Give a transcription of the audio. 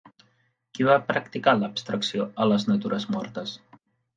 Qui va practicar l'abstracció a les natures mortes?